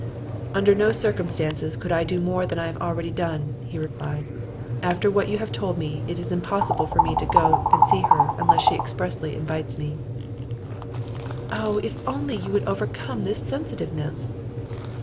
'Under no circumstances could I do more than I already have done,' he replied. 'And after what you have told me, it is impossible for me to go and see her unless she expressly invites me.' 'Oh, if only you would overcome this sensitiveness!